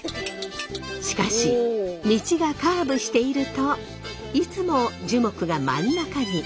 しかし道がカーブしているといつも樹木が真ん中に。